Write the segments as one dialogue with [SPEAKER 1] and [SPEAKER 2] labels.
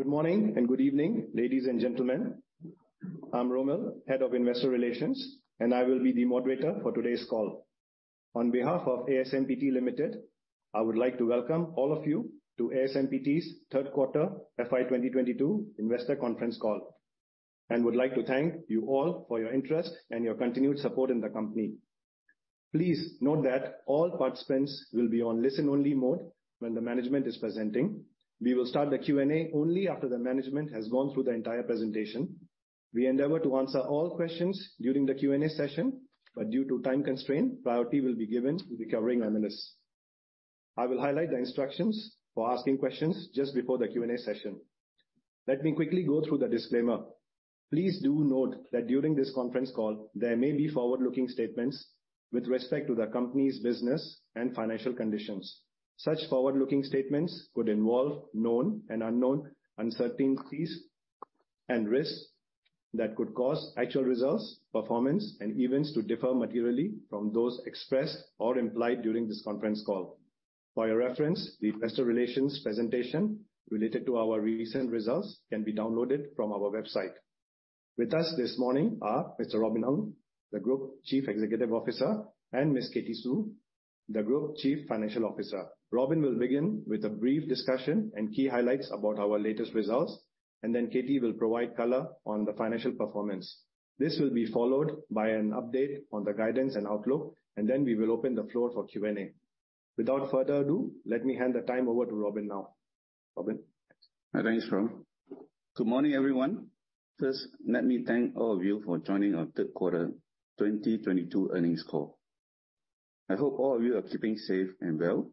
[SPEAKER 1] Good morning and good evening, ladies and gentlemen. I'm Romil, Head of Investor Relations, and I will be the moderator for today's call. On behalf of ASMPT Limited, I would like to welcome all of you to ASMPT's Third Quarter FY 2022 Investor Conference Call. I would like to thank you all for your interest and your continued support in the company. Please note that all participants will be on listen-only mode when the management is presenting. We will start the Q&A only after the management has gone through the entire presentation. We endeavor to answer all questions during the Q&A session, but due to time constraint, priority will be given to the covering analysts. I will highlight the instructions for asking questions just before the Q&A session. Let me quickly go through the disclaimer. Please do note that during this conference call, there may be forward-looking statements with respect to the company's business and financial conditions. Such forward-looking statements could involve known and unknown uncertainties and risks that could cause actual results, performance, and events to differ materially from those expressed or implied during this conference call. For your reference, the investor relations presentation related to our recent results can be downloaded from our website. With us this morning are Mr. Robin Ng, the Group Chief Executive Officer, and Ms. Katie Xu, the Group Chief Financial Officer. Robin will begin with a brief discussion and key highlights about our latest results, and then Katie will provide color on the financial performance. This will be followed by an update on the guidance and outlook, and then we will open the floor for Q&A. Without further ado, let me hand the time over to Robin now. Robin?
[SPEAKER 2] Thanks, Romil. Good morning, everyone. First, let me thank all of you for joining our third quarter 2022 earnings call. I hope all of you are keeping safe and well.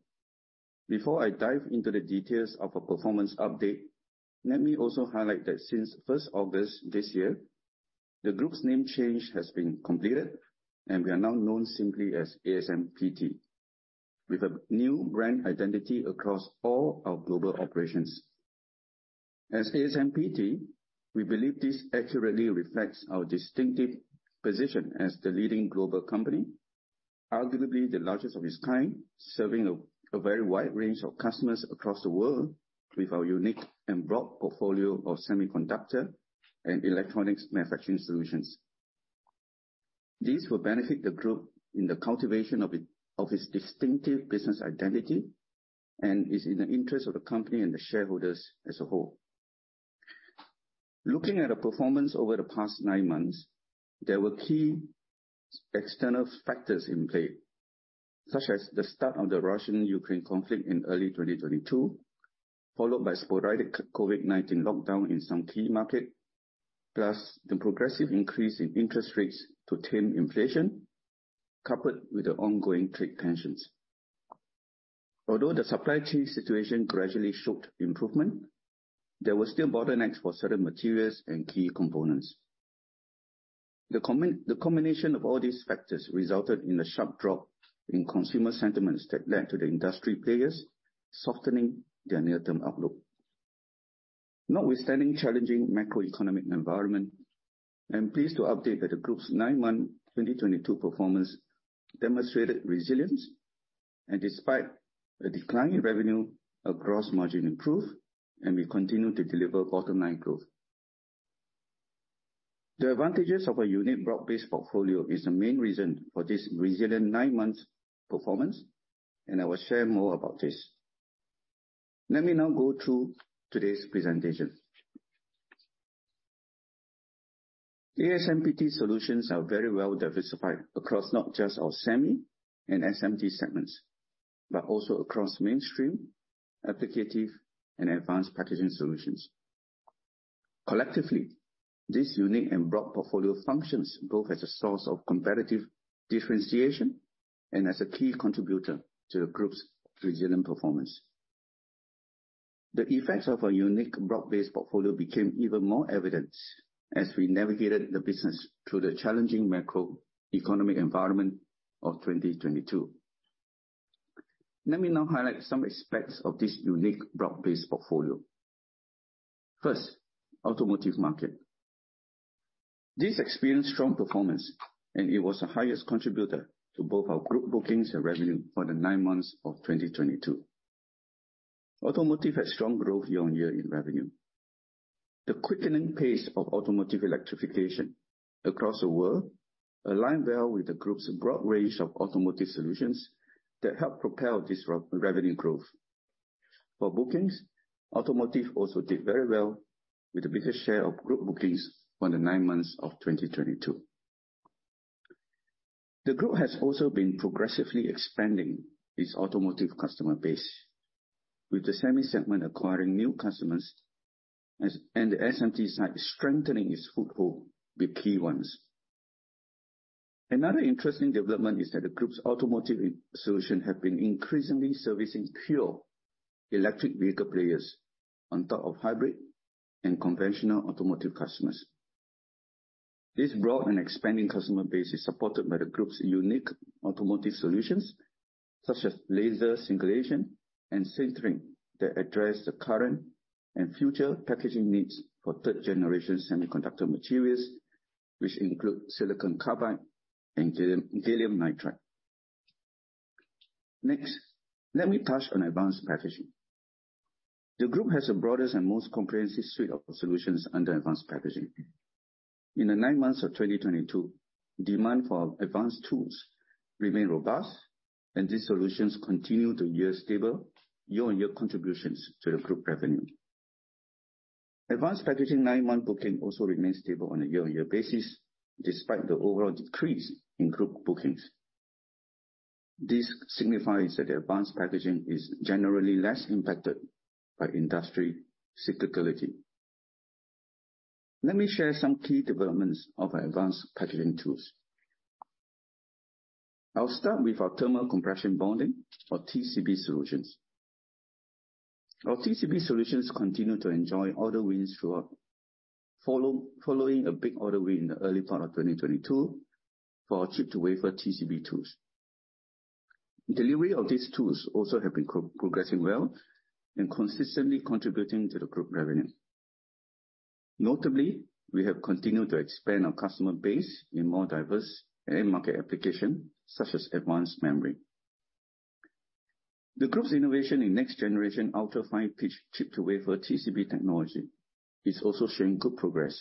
[SPEAKER 2] Before I dive into the details of a performance update, let me also highlight that since first of this year, the group's name change has been completed, and we are now known simply as ASMPT, with a new brand identity across all our global operations. As ASMPT, we believe this accurately reflects our distinctive position as the leading global company, arguably the largest of its kind, serving a very wide range of customers across the world with our unique and broad portfolio of semiconductor and electronics manufacturing solutions. This will benefit the group in the cultivation of its distinctive business identity and is in the interest of the company and the shareholders as a whole. Looking at the performance over the past nine months, there were key external factors in play, such as the start of the Russian-Ukraine conflict in early 2022, followed by sporadic COVID-19 lockdown in some key market, plus the progressive increase in interest rates to tame inflation, coupled with the ongoing trade tensions. Although the supply chain situation gradually showed improvement, there were still bottlenecks for certain materials and key components. The combination of all these factors resulted in a sharp drop in consumer sentiments that led to the industry players softening their near-term outlook. Notwithstanding challenging macroeconomic environment, I'm pleased to update that the group's nine-month 2022 performance demonstrated resilience. Despite a decline in revenue, our gross margin improved, and we continue to deliver bottom-line growth. The advantages of a unique broad-based portfolio is the main reason for this resilient nine-month performance, and I will share more about this. Let me now go through today's presentation. ASMPT solutions are very well diversified across not just our Semi and SMT segments, but also across mainstream applications and advanced packaging solutions. Collectively, this unique and broad portfolio functions both as a source of competitive differentiation and as a key contributor to the group's resilient performance. The effects of our unique broad-based portfolio became even more evident as we navigated the business through the challenging macroeconomic environment of 2022. Let me now highlight some aspects of this unique broad-based portfolio. First, automotive market. This experienced strong performance, and it was the highest contributor to both our group bookings and revenue for the nine months of 2022. Automotive had strong growth year-on-year in revenue. The quickening pace of automotive electrification across the world align well with the group's broad range of automotive solutions that help propel this revenue growth. For bookings, automotive also did very well with the biggest share of group bookings for the nine months of 2022. The group has also been progressively expanding its automotive customer base, with the Semi segment acquiring new customers and the SMT side strengthening its foothold with key ones. Another interesting development is that the group's automotive solution have been increasingly servicing pure electric vehicle players on top of hybrid and conventional automotive customers. This broad and expanding customer base is supported by the group's unique automotive solutions such as laser singulation and sintering that address the current and future packaging needs for 3rd generation semiconductor materials, which include silicon carbide and gallium nitride. Next, let me touch on advanced packaging. The group has the broadest and most comprehensive suite of solutions under advanced packaging. In the nine months of 2022, demand for advanced tools remain robust, and these solutions continue to yield stable year-on-year contributions to the group revenue. Advanced packaging nine-month booking also remains stable on a year-on-year basis, despite the overall decrease in group bookings. This signifies that the advanced packaging is generally less impacted by industry cyclicality. Let me share some key developments of our advanced packaging tools. I'll start with our thermo-compression bonding or TCB solutions. Our TCB solutions continue to enjoy order wins throughout, following a big order win in the early part of 2022 for our chip-to-wafer TCB tools. Delivery of these tools also have been progressing well and consistently contributing to the group revenue. Notably, we have continued to expand our customer base in more diverse end market application, such as advanced memory. The group's innovation in next-generation ultra-fine pitch chip-to-wafer TCB technology is also showing good progress,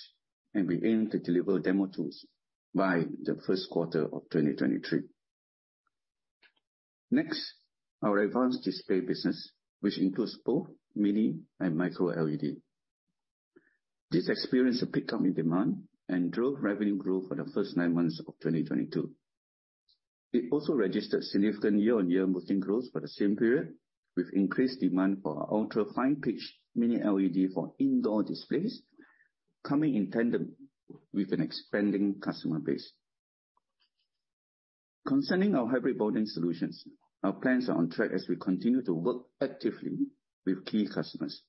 [SPEAKER 2] and we aim to deliver demo tools by the first quarter of 2023. Next, our advanced display business, which includes both Mini LED and Micro LED, experienced a pickup in demand and drove revenue growth for the first nine months of 2022. It also registered significant year-on-year booking growth for the same period, with increased demand for our ultra-fine pitch Mini LED for indoor displays, coming in tandem with an expanding customer base. Concerning our hybrid bonding solutions, our plans are on track as we continue to work actively with key customers.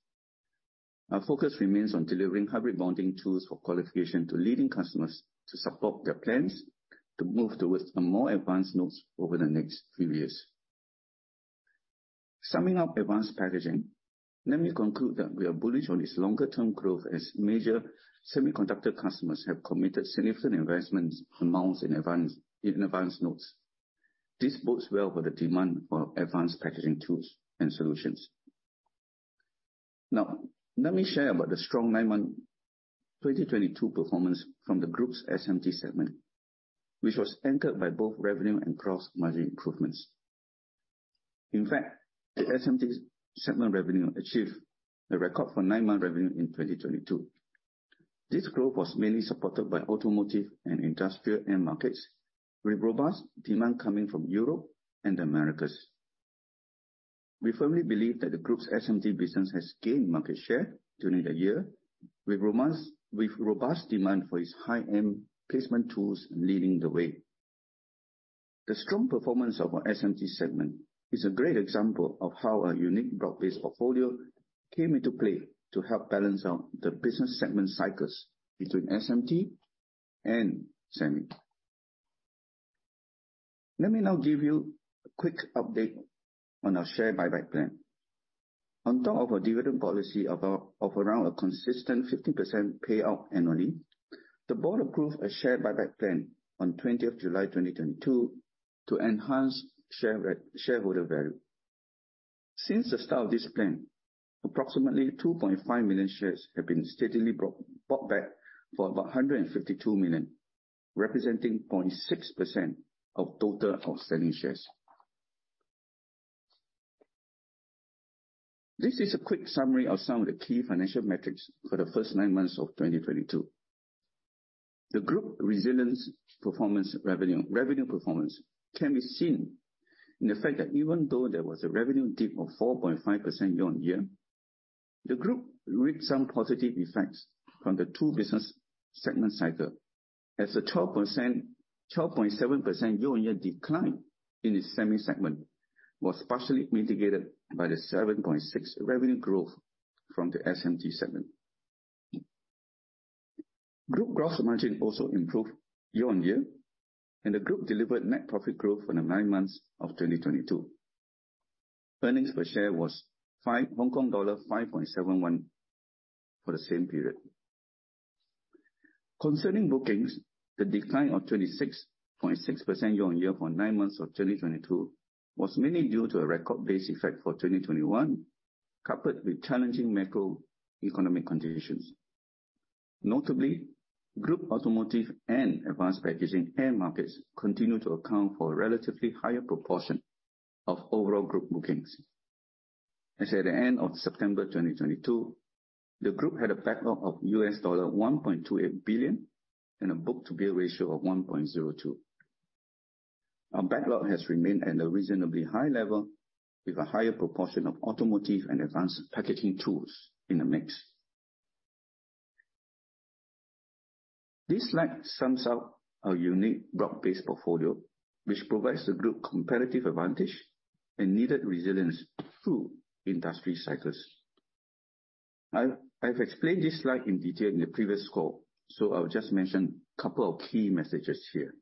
[SPEAKER 2] Our focus remains on delivering hybrid bonding tools for qualification to leading customers to support their plans to move towards the more advanced nodes over the next few years. Summing up advanced packaging, let me conclude that we are bullish on its longer-term growth as major semiconductor customers have committed significant investment amounts in advance, in advanced nodes. This bodes well for the demand for advanced packaging tools and solutions. Now, let me share about the strong nine-month 2022 performance from the group's SMT segment, which was anchored by both revenue and gross margin improvements. In fact, the SMT segment revenue achieved a record for nine-month revenue in 2022. This growth was mainly supported by automotive and industrial end markets, with robust demand coming from Europe and the Americas. We firmly believe that the group's SMT business has gained market share during the year with robust demand for its high-end placement tools leading the way. The strong performance of our SMT segment is a great example of how our unique broad-based portfolio came into play to help balance out the business segment cycles between SMT and Semi. Let me now give you a quick update on our share buyback plan. On top of a dividend policy of around a consistent 15% payout annually, the board approved a share buyback plan on 20th July 2022 to enhance shareholder value. Since the start of this plan, approximately 2.5 million shares have been steadily bought back for about 152 million, representing 0.6% of total outstanding shares. This is a quick summary of some of the key financial metrics for the first nine months of 2022. The group's resilient revenue performance can be seen in the fact that even though there was a revenue dip of 4.5% year-on-year, the group reaped some positive effects from the two business segment cycle as the 12.7% year-on-year decline in the Semi segment was partially mitigated by the 7.6% revenue growth from the SMT segment. Group gross margin also improved year-on-year, and the group delivered net profit growth for the nine months of 2022. Earnings per share was 5.71 for the same period. Concerning bookings, the decline of 26.6% year-on-year for nine months of 2022 was mainly due to a record base effect for 2021, coupled with challenging macroeconomic conditions. Notably, group automotive and advanced packaging end markets continue to account for a relatively higher proportion of overall group bookings. As at the end of September 2022, the group had a backlog of $1.28 billion and a book-to-bill ratio of 1.02. Our backlog has remained at a reasonably high level, with a higher proportion of automotive and advanced packaging tools in the mix. This slide sums up our unique broad-based portfolio, which provides the group competitive advantage and needed resilience through industry cycles. I've explained this slide in detail in the previous call, so I'll just mention a couple of key messages here.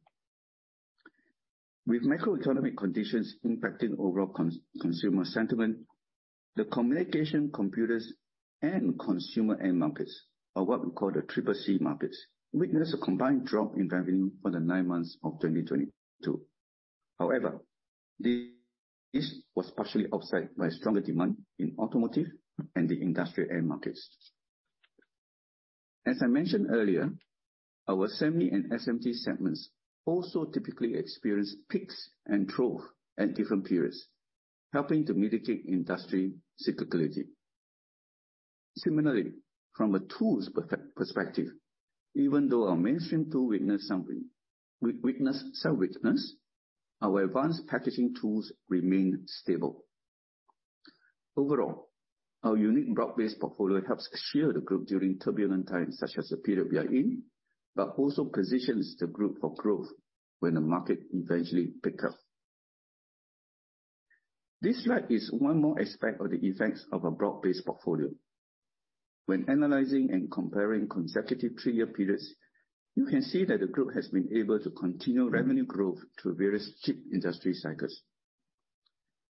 [SPEAKER 2] With macroeconomic conditions impacting overall consumer sentiment. The communication, computers, and consumer end markets are what we call the CCC markets, witnessed a combined drop in revenue for the nine months of 2022. However, this was partially offset by stronger demand in automotive and the industrial end markets. As I mentioned earlier, our Semi and SMT segments also typically experience peaks and troughs at different periods, helping to mitigate industry cyclicity. Similarly, from a tools perspective, even though our mainstream tools saw weakness, our advanced packaging tools remain stable. Overall, our unique broad-based portfolio helps shield the group during turbulent times, such as the period we are in, but also positions the group for growth when the market eventually picks up. This slide is one more aspect of the effects of a broad-based portfolio. When analyzing and comparing consecutive three-year periods, you can see that the group has been able to continue revenue growth through various chip industry cycles.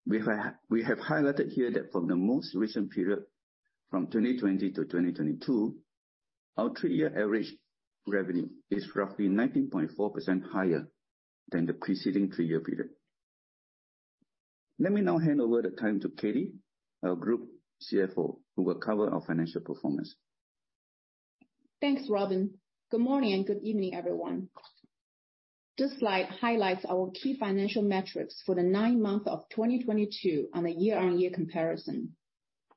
[SPEAKER 2] We have highlighted here that from the most recent period, from 2020 to 2022, our three-year average revenue is roughly 19.4% higher than the preceding three-year period. Let me now hand over the time to Katie, our Group CFO, who will cover our financial performance.
[SPEAKER 3] Thanks, Robin. Good morning and good evening, everyone. This slide highlights our key financial metrics for the nine-month of 2022 on a year-on-year comparison.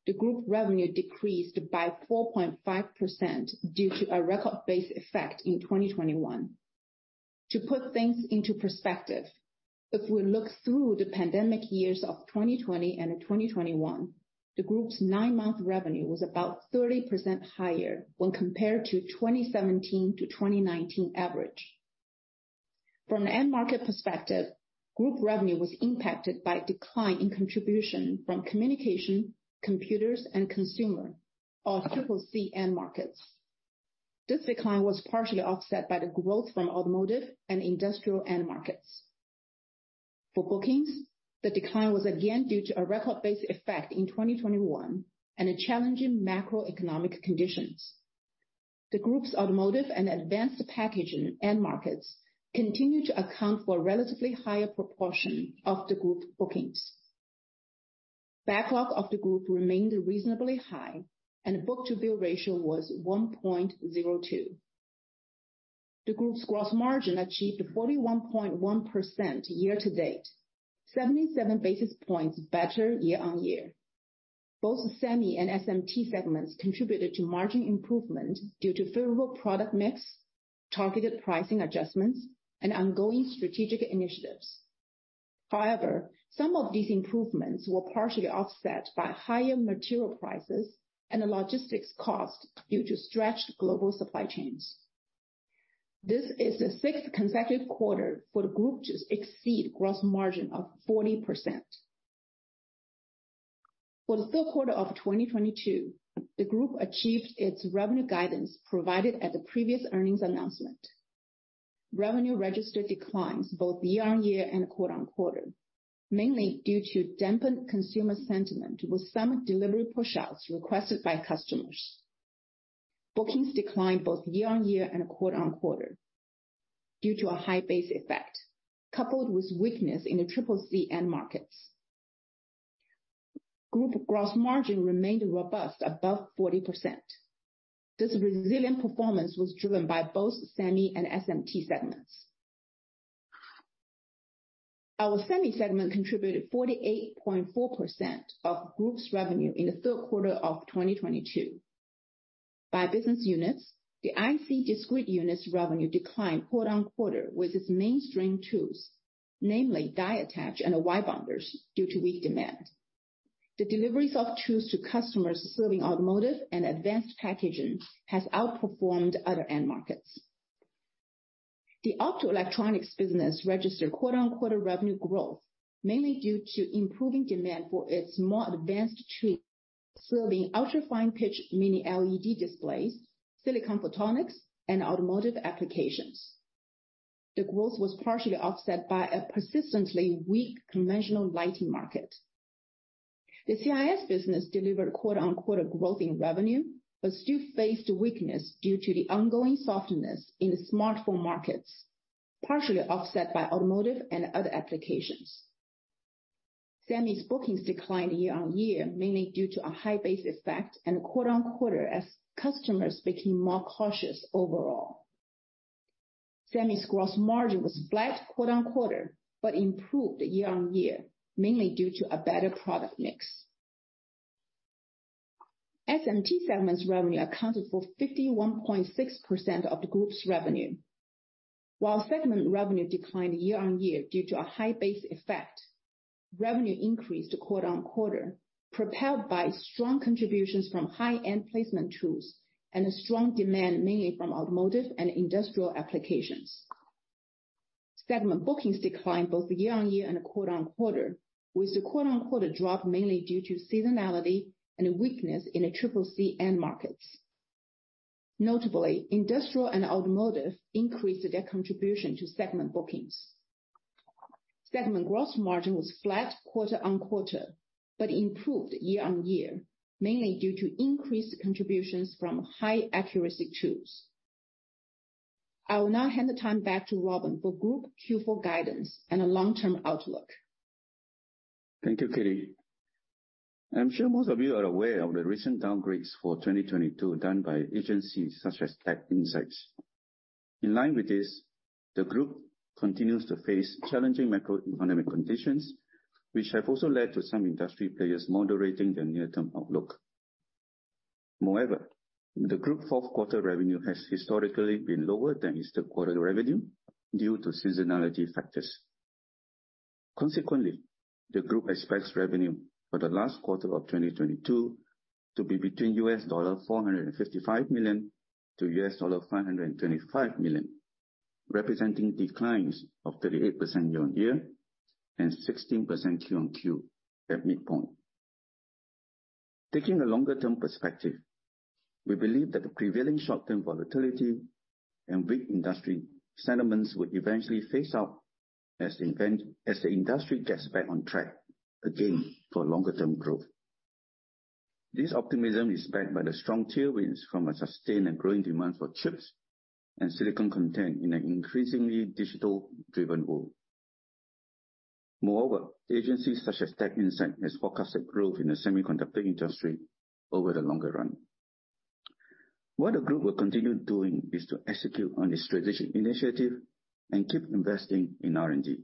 [SPEAKER 3] The group revenue decreased by 4.5% due to a record-based effect in 2021. To put things into perspective, if we look through the pandemic years of 2020 and 2021, the group's nine-month revenue was about 30% higher when compared to 2017-2019 average. From an end market perspective, group revenue was impacted by a decline in contribution from communication, computers, and consumer, or CCC end markets. This decline was partially offset by the growth from automotive and industrial end markets. For bookings, the decline was again due to a record-based effect in 2021 and a challenging macroeconomic conditions. The group's automotive and advanced packaging end markets continue to account for a relatively higher proportion of the group bookings. Backlog of the group remained reasonably high and book-to-bill ratio was 1.02. The group's gross margin achieved 41.1% year to date, 77 basis points better year-on-year. Both Semi and SMT segments contributed to margin improvement due to favorable product mix, targeted pricing adjustments, and ongoing strategic initiatives. However, some of these improvements were partially offset by higher material prices and the logistics cost due to stretched global supply chains. This is the sixth consecutive quarter for the group to exceed gross margin of 40%. For the third quarter of 2022, the group achieved its revenue guidance provided at the previous earnings announcement. Revenue registered declines both year-on-year and quarter-on-quarter, mainly due to dampened consumer sentiment with some delivery pushouts requested by customers. Bookings declined both year-on-year and quarter-on-quarter due to a high base effect, coupled with weakness in the CCC end markets. Group gross margin remained robust above 40%. This resilient performance was driven by both Semi and SMT segments. Our Semi segment contributed 48.4% of group's revenue in the third quarter of 2022. By business units, the IC/Discrete unit's revenue declined quarter-on-quarter with its mainstream tools, namely die attach and wire bonders, due to weak demand. The deliveries of tools to customers serving automotive and advanced packaging has outperformed other end markets. The optoelectronics business registered quarter-on-quarter revenue growth, mainly due to improving demand for its more advanced tech, serving ultra-fine pitch Mini LED displays, Silicon Photonics, and automotive applications. The growth was partially offset by a persistently weak conventional lighting market. The CIS business delivered quarter-on-quarter growth in revenue, but still faced weakness due to the ongoing softness in the smartphone markets, partially offset by automotive and other applications. Semi's bookings declined year-on-year, mainly due to a high base effect and quarter-on-quarter as customers became more cautious overall. Semi's gross margin was flat quarter-on-quarter, but improved year-on-year, mainly due to a better product mix. SMT segment's revenue accounted for 51.6% of the group's revenue. While segment revenue declined year-on-year due to a high base effect, revenue increased quarter-on-quarter, propelled by strong contributions from high-end placement tools and a strong demand, mainly from automotive and industrial applications. Segment bookings declined both year-on-year and quarter-on-quarter, with the quarter-on-quarter drop mainly due to seasonality and a weakness in the CCC end markets. Notably, industrial and automotive increased their contribution to segment bookings. Segment gross margin was flat quarter-on-quarter, but improved year-on-year, mainly due to increased contributions from high accuracy tools. I will now hand the time back to Robin for group Q4 guidance and a long-term outlook.
[SPEAKER 2] Thank you, Katie. I'm sure most of you are aware of the recent downgrades for 2022 done by agencies such as TechInsights. In line with this, the group continues to face challenging macroeconomic conditions, which have also led to some industry players moderating their near-term outlook. Moreover, the group fourth quarter revenue has historically been lower than its third quarter revenue due to seasonality factors. Consequently, the group expects revenue for the last quarter of 2022 to be between $455 million-$525 million, representing declines of 38% year-on-year and 16% QoQ at midpoint. Taking a longer-term perspective, we believe that the prevailing short-term volatility and weak industry sentiments would eventually phase out as the industry gets back on track again for longer-term growth. This optimism is backed by the strong tailwinds from a sustained and growing demand for chips and silicon content in an increasingly digital-driven world. Moreover, agencies such as TechInsights have forecasted growth in the semiconductor industry over the longer run. What the group will continue doing is to execute on its strategic initiative and keep investing in R&D.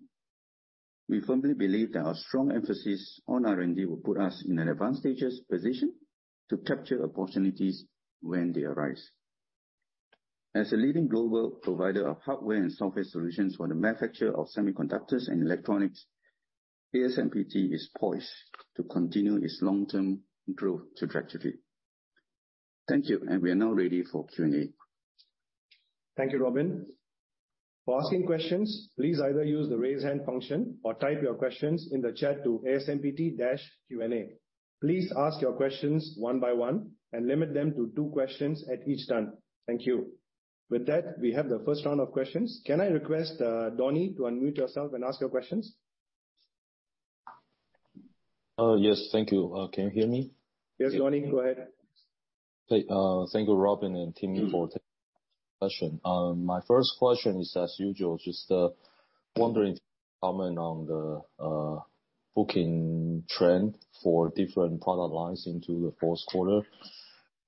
[SPEAKER 2] We firmly believe that our strong emphasis on R&D will put us in an advantageous position to capture opportunities when they arise. As a leading global provider of hardware and software solutions for the manufacture of semiconductors and electronics, ASMPT is poised to continue its long-term growth trajectory. Thank you, and we are now ready for Q&A.
[SPEAKER 1] Thank you, Robin. For asking questions, please either use the raise hand function or type your questions in the chat to ASMPT-Q&A. Please ask your questions one by one and limit them to two questions at each turn. Thank you. With that, we have the first round of questions. Can I request, Donnie, to unmute yourself and ask your questions?
[SPEAKER 4] Yes, thank you. Can you hear me?
[SPEAKER 1] Yes, Donnie, go ahead.
[SPEAKER 4] Okay, thank you, Robin and team, for taking my question. My first question is, as usual, just wondering your comment on the booking trend for different product lines into the fourth quarter.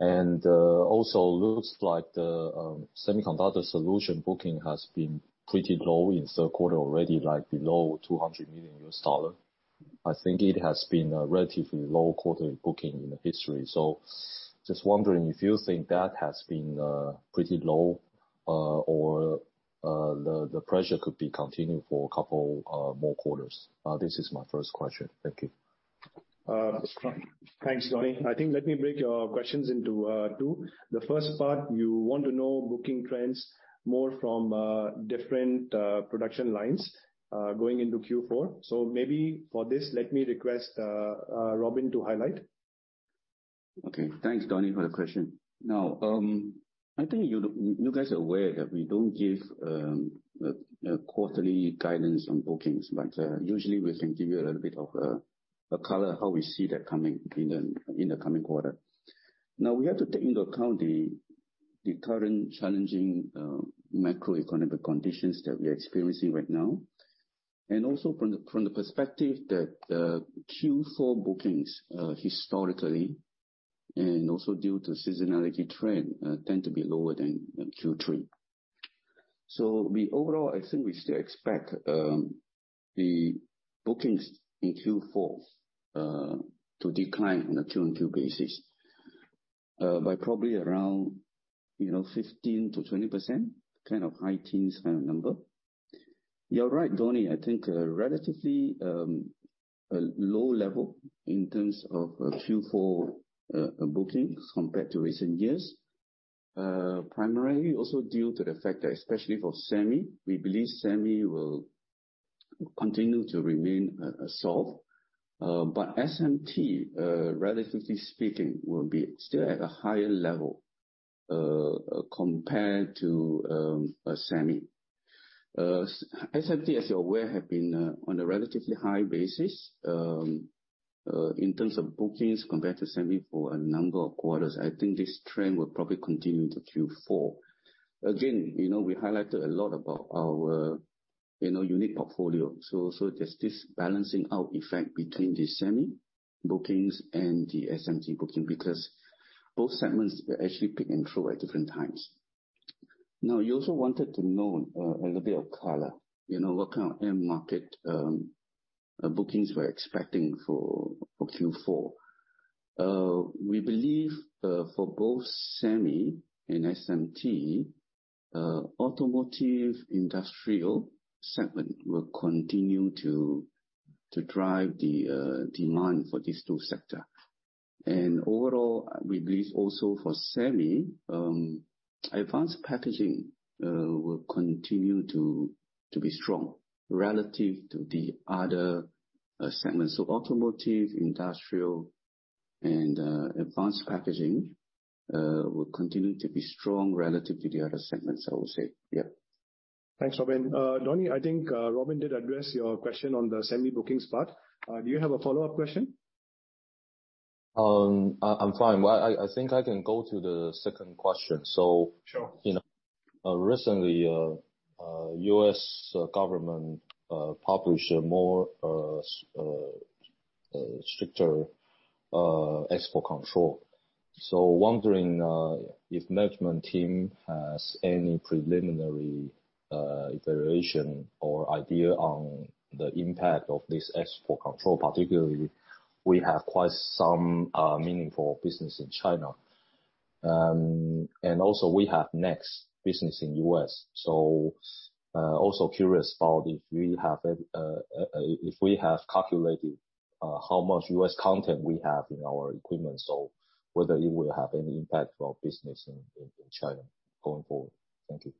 [SPEAKER 4] Also looks like the semiconductor solution booking has been pretty low in third quarter already, like below $200 million. I think it has been a relatively low quarter booking in the history. Just wondering if you think that has been pretty low or the pressure could be continuing for a couple more quarters. This is my first question. Thank you.
[SPEAKER 1] Thanks, Donnie. I think let me break your questions into two. The first part you want to know booking trends more from different production lines going into Q4. Maybe for this, let me request Robin to highlight.
[SPEAKER 2] Okay. Thanks, Donnie, for the question. Now, I think you guys are aware that we don't give quarterly guidance on bookings, but usually we can give you a little bit of a color how we see that coming in the coming quarter. Now, we have to take into account the current challenging macroeconomic conditions that we're experiencing right now. Also from the perspective that the Q4 bookings historically and also due to seasonality trend tend to be lower than Q3. We overall, I think we still expect the bookings in Q4 to decline on a QoQ basis by probably around, you know, 15%-20%, kind of high teens kind of number. You're right, Donnie. I think a relatively low level in terms of Q4 bookings compared to recent years. Primarily also due to the fact that especially for Semi, we believe Semi will continue to remain soft. But SMT, relatively speaking, will be still at a higher level compared to a Semi. SMT, as you're aware, have been on a relatively high basis in terms of bookings compared to Semi for a number of quarters. I think this trend will probably continue to Q4. Again, you know, we highlighted a lot about our, you know, unique portfolio. So there's this balancing out effect between the Semi bookings and the SMT booking, because both segments were actually peak and trough at different times. Now, you also wanted to know a little bit of color, you know, what kind of end market bookings we're expecting for Q4. We believe for both Semi and SMT, automotive industrial segment will continue to drive the demand for these two sector. Overall, we believe also for Semi, advanced packaging will continue to be strong relative to the other segments. Automotive, industrial, and advanced packaging will continue to be strong relative to the other segments, I would say. Yeah.
[SPEAKER 1] Thanks, Robin. Donnie, I think, Robin did address your question on the semi-bookings part. Do you have a follow-up question?
[SPEAKER 4] I'm fine. Well, I think I can go to the second question.
[SPEAKER 1] Sure.
[SPEAKER 4] You know, recently, U.S. government published a stricter export control. Wondering if management team has any preliminary evaluation or idea on the impact of this export control, particularly we have quite some meaningful business in China. Also we have NEXX business in U.S. Also curious about if we have calculated how much U.S. content we have in our equipment. Whether it will have any impact for our business in China going forward. Thank you.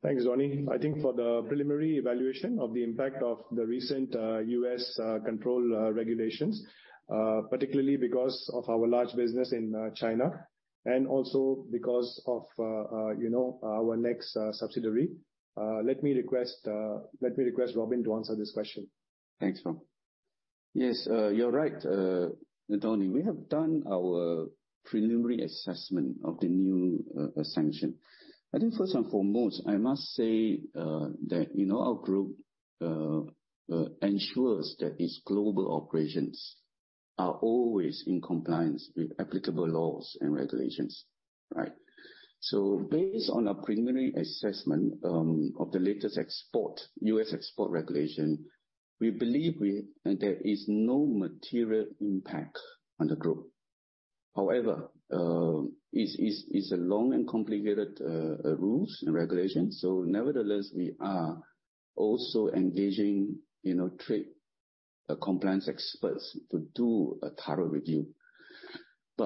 [SPEAKER 1] Thanks, Donnie. I think for the preliminary evaluation of the impact of the recent U.S. export control regulations, particularly because of our large business in China and also because of, you know, our NEXX subsidiary, let me request Robin to answer this question.
[SPEAKER 2] Thanks. Yes, you're right, Donnie. We have done our preliminary assessment of the new sanction. I think first and foremost, I must say, that, you know, our group ensures that its global operations are always in compliance with applicable laws and regulations, right? Based on our preliminary assessment of the latest export U.S. export regulation, we believe there is no material impact on the group. However, it's a long and complicated rules and regulations, so nevertheless, we are also engaging, you know, trade compliance experts to do a thorough review.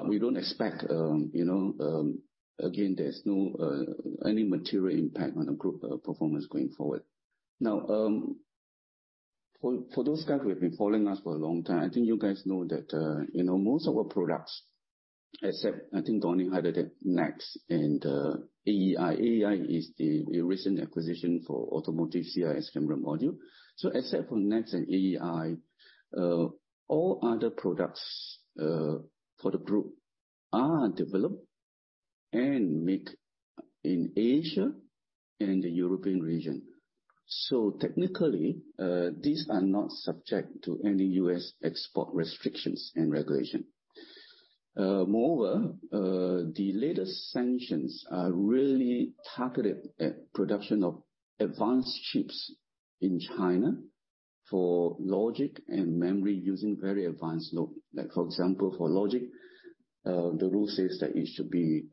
[SPEAKER 2] We don't expect, you know, again, there's no any material impact on the group performance going forward. Now, for those guys who have been following us for a long time, I think you guys know that, you know, most of our products, except I think Donnie highlighted NEXX and AEI. AEI is the recent acquisition for automotive CIS camera module. Except for NEXX and AEI, all other products for the group are developed and made in Asia and the European region. Technically, these are not subject to any U.S. export restrictions and regulation. Moreover, the latest sanctions are really targeted at production of advanced chips in China for logic and memory using very advanced node. Like, for example, for logic, the rule says that it should be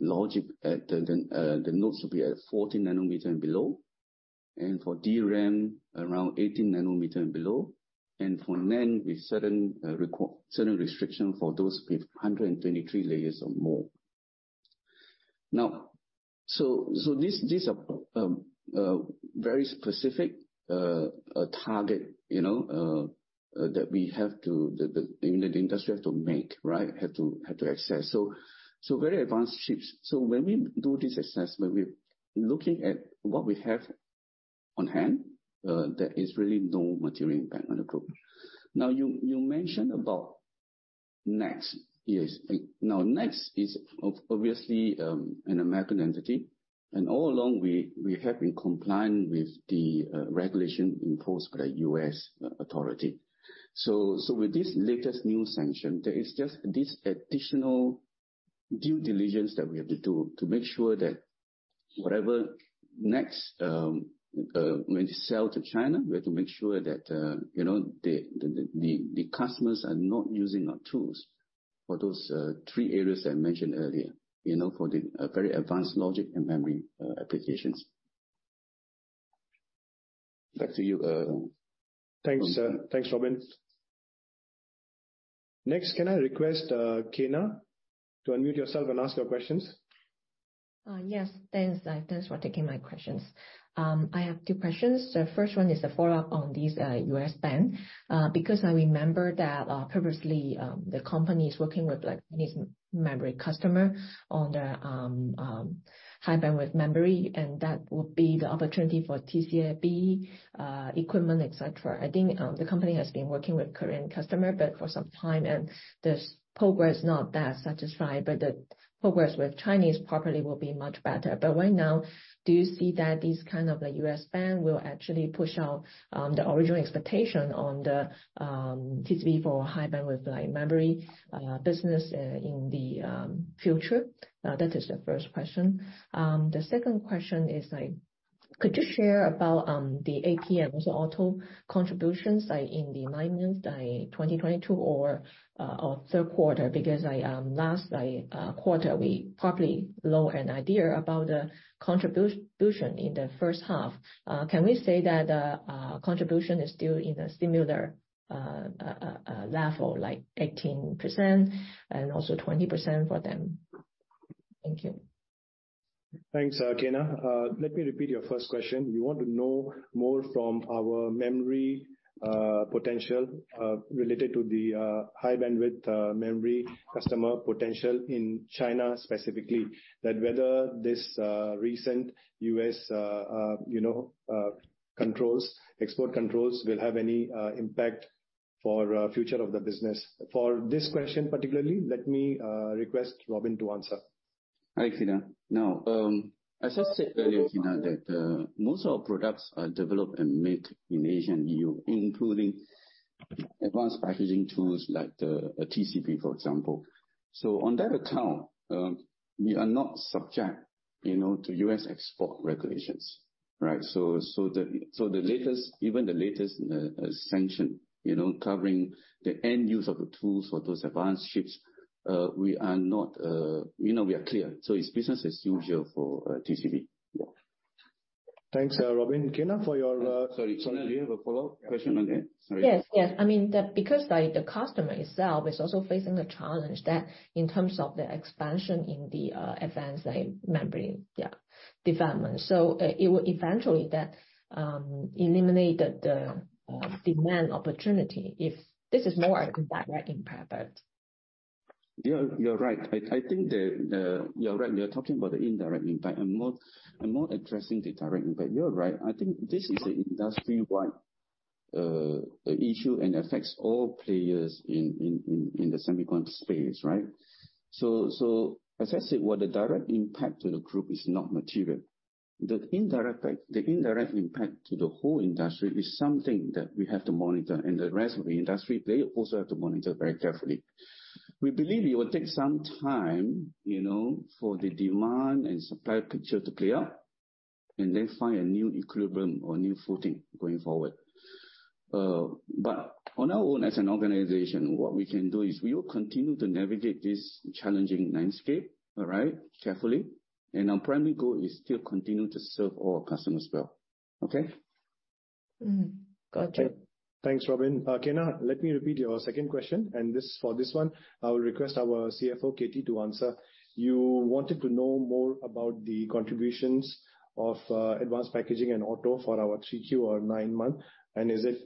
[SPEAKER 2] logic at the nodes should be at 40 nm and below, and for DRAM around 18 nm and below, and for NAND with certain restriction for those with 123 layers or more. This very specific target, you know, that we have to make, right? The industry have to access. Very advanced chips. When we do this assessment, we're looking at what we have on hand. There is really no material impact on the group. You mentioned about NEXX. Yes. NEXX is obviously an American entity, and all along we have been compliant with the regulation imposed by the U.S. authority. With this latest new sanction, there is just this additional due diligence that we have to do to make sure that when we sell to China, we have to make sure that, you know, the customers are not using our tools for those three areas I mentioned earlier, you know, for the very advanced logic and memory applications. Back to you.
[SPEAKER 1] Thanks, Robin. Next, can I request Kyna to unmute yourself and ask your questions?
[SPEAKER 5] Yes. Thanks for taking my questions. I have two questions. The first one is a follow-up on this U.S. ban because I remember that previously the company is working with like this memory customer on the High Bandwidth Memory, and that would be the opportunity for TCB equipment, et cetera. I think the company has been working with current customer, but for some time, and this progress not that satisfied, but the progress with Chinese probably will be much better. Right now, do you see that this kind of a U.S. ban will actually push out the original expectation on the TCB for High Bandwidth Memory business in the future? That is the first question. The second question is like, could you share about, the ASMPT also auto contributions, like, in the nine months, like, 2022 or third quarter? Because, like, last quarter, we probably know an idea about the contribution in the first half. Can we say that the contribution is still in a similar level, like 18% and also 20% for them? Thank you.
[SPEAKER 1] Thanks, Kyna. Let me repeat your first question. You want to know more from our memory potential related to the High Bandwidth Memory customer potential in China specifically. That whether this recent U.S. you know export controls will have any impact for future of the business. For this question particularly, let me request Robin to answer.
[SPEAKER 2] Hi, Kyna. Now, as I said earlier, Kyna, that most of our products are developed and made in Asia and EU, including advanced packaging tools like the TCB, for example. On that account, we are not subject, you know, to U.S. export regulations, right? The latest sanction, you know, covering the end use of the tools for those advanced chips, we are not, you know, we are clear. It's business as usual for TCB. Yeah.
[SPEAKER 1] Thanks, Robin. Kyna, for your.
[SPEAKER 2] Sorry.
[SPEAKER 1] Sonal, do you have a follow-up question on it? Sorry.
[SPEAKER 5] Yes, yes. I mean, because the customer itself is also facing a challenge that in terms of the expansion in the advanced memory development. It will eventually eliminate the demand opportunity if this is more a direct impact, but.
[SPEAKER 2] You're right. I think. You're right. You're talking about the indirect impact. I'm more addressing the direct impact. You're right. I think this is an industry-wide issue and affects all players in the semiconductor space, right? So as I said, while the direct impact to the group is not material, the indirect impact to the whole industry is something that we have to monitor. The rest of the industry, they also have to monitor very carefully. We believe it will take some time, you know, for the demand and supply picture to clear and then find a new equilibrium or new footing going forward. On our own as an organization, what we can do is we will continue to navigate this challenging landscape, all right, carefully. Our primary goal is still continue to serve our customers well. Okay?
[SPEAKER 5] Mm. Gotcha.
[SPEAKER 1] Thanks, Robin. Kyna, let me repeat your second question. This, for this one, I will request our CFO, Katie, to answer. You wanted to know more about the contributions of advanced packaging and auto for our 3Q or nine-month, and is it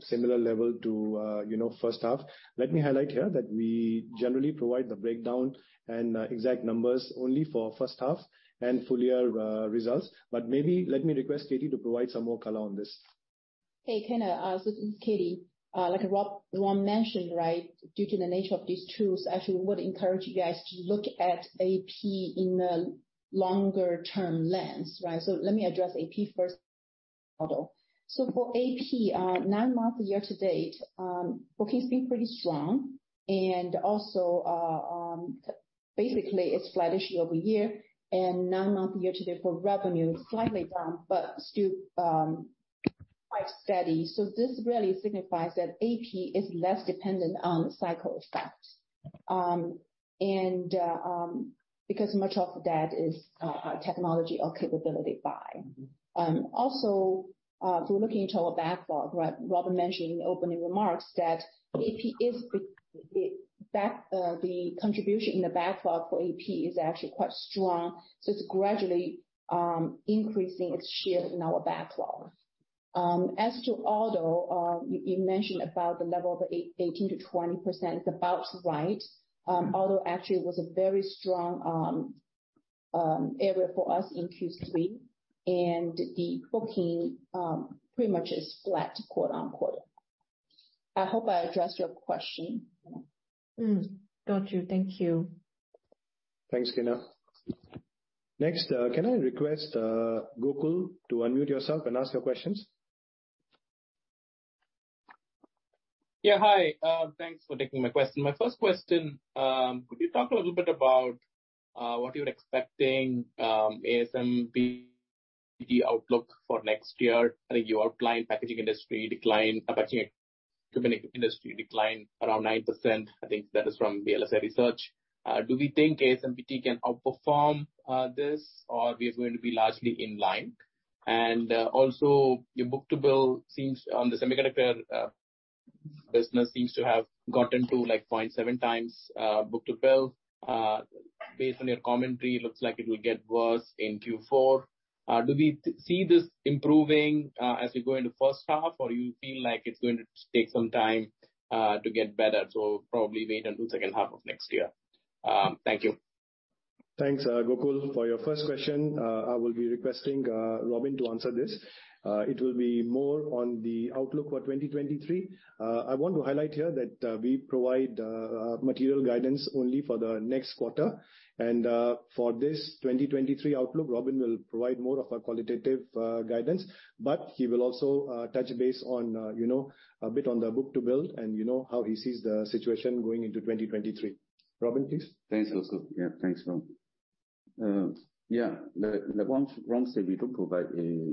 [SPEAKER 1] similar level to first half? Let me highlight here that we generally provide the breakdown and exact numbers only for first half and full year results. Maybe let me request Katie to provide some more color on this.
[SPEAKER 3] Hey, Kyna. This is Katie. Like Robin mentioned, right, due to the nature of these tools, I actually would encourage you guys to look at AP in a longer-term lens, right? Let me address AP first auto. For AP, nine-month year-to-date, bookings been pretty strong. Also, basically it's flat year-over-year, and nine-month year-to-date for revenue is slightly down, but still quite steady. This really signifies that AP is less dependent on cycle effect and because much of that is a technology or capability buy. Also, looking into our backlog, right? Robin mentioned in the opening remarks that the contribution in the backlog for AP is actually quite strong, so it's gradually increasing its share in our backlog. As to auto, you mentioned about the level of 18%-20%. It's about right. Auto actually was a very strong area for us in Q3, and the booking pretty much is flat, quote-unquote. I hope I addressed your question.
[SPEAKER 5] Got you. Thank you.
[SPEAKER 1] Thanks, Kyna. Next, can I request Gokul to unmute yourself and ask your questions?
[SPEAKER 6] Yeah, hi. Thanks for taking my question. My first question, could you talk a little bit about what you're expecting, ASMPT outlook for next year? I think you outlined packaging industry decline around 9%. I think that is from VLSI Research. Do we think ASMPT can outperform this, or we are going to be largely in line? Also your book-to-bill on the semiconductor business seems to have gotten to, like, 0.7x book-to-bill. Based on your commentary, looks like it will get worse in Q4. Do we see this improving as we go into first half, or you feel like it's going to take some time to get better, so probably wait until second half of next year? Thank you.
[SPEAKER 1] Thanks, Gokul. For your first question, I will be requesting Robin to answer this. It will be more on the outlook for 2023. I want to highlight here that we provide material guidance only for the next quarter. For this 2023 outlook, Robin will provide more of a qualitative guidance, but he will also touch base on, you know, a bit on the book-to-bill and, you know, how he sees the situation going into 2023. Robin, please.
[SPEAKER 2] Thanks, Gokul. Yeah, thanks, Romil. Yeah, like Romil said, we don't provide a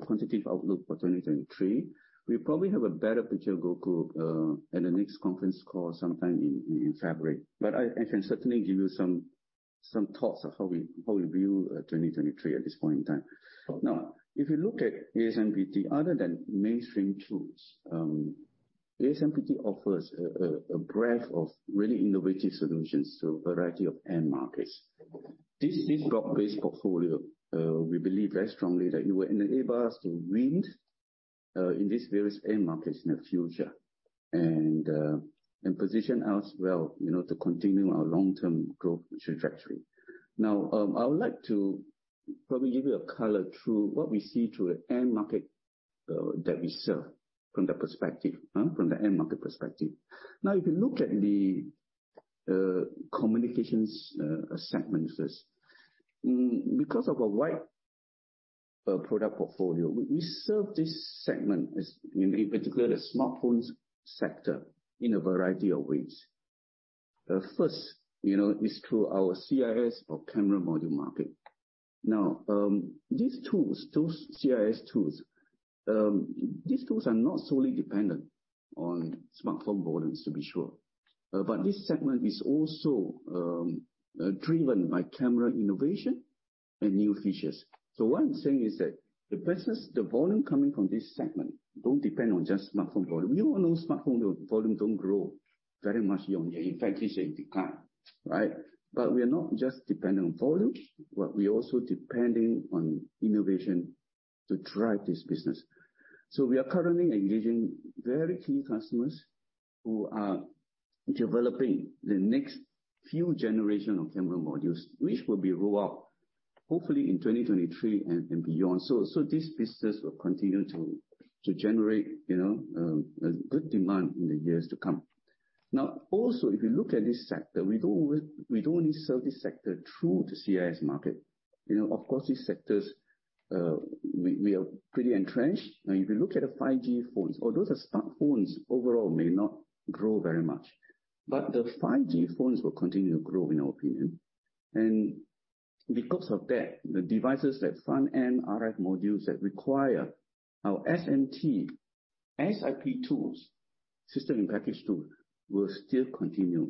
[SPEAKER 2] quantitative outlook for 2023. We probably have a better picture, Gokul, at the next conference call sometime in February. I can certainly give you some thoughts of how we view 2023 at this point in time. Now, if you look at ASMPT, other than mainstream tools, ASMPT offers a breadth of really innovative solutions to a variety of end markets. This broad-based portfolio, we believe very strongly that it will enable us to win in these various end markets in the future and position us well, you know, to continue our long-term growth trajectory. Now, I would like to probably give you a color through what we see through the end market that we serve from that perspective. From the end market perspective. Now, if you look at the communications segments. Because of our wide product portfolio, we serve this segment, in particular the smartphones sector, in a variety of ways. First, you know, is through our CIS or camera module market. Now, these tools, those CIS tools, these tools are not solely dependent on smartphone volumes to be sure. This segment is also driven by camera innovation and new features. What I'm saying is that the business, the volume coming from this segment don't depend on just smartphone volume. We all know smartphone volume don't grow very much year on year. In fact, it's declined, right? We're not just dependent on volume, but we're also depending on innovation to drive this business. We are currently engaging very key customers who are developing the next few generation of camera modules, which will be rolled out hopefully in 2023 and beyond. This business will continue to generate, you know, a good demand in the years to come. Now, also if you look at this sector, we don't only sell this sector through the CIS market. You know, of course these sectors, we are pretty entrenched. Now, if you look at the 5G phones, although the smartphones overall may not grow very much, but the 5G phones will continue to grow, in our opinion. Because of that, the devices that front end RF modules that require our SMT, SIP tools, system and package tool, will still continue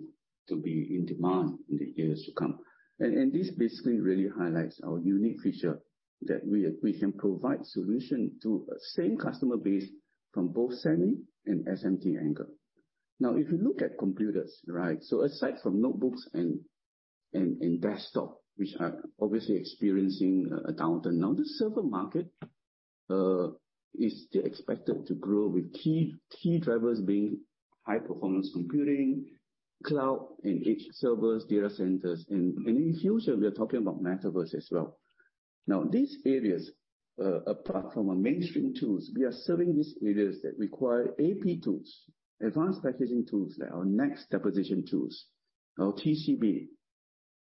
[SPEAKER 2] to be in demand in the years to come. This basically really highlights our unique feature that we can provide solution to same customer base from both semi and SMT angle. Now if you look at computers, right. Aside from notebooks and desktop, which are obviously experiencing a downturn now, the server market is still expected to grow with key drivers being high performance computing, cloud and edge servers, data centers and in future, we are talking about metaverse as well. Now these areas, apart from our mainstream tools, we are serving these areas that require AP tools, advanced packaging tools, like our NEXX deposition tools, our TCB,